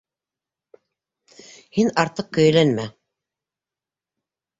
Һин артыҡ көйәләнмә...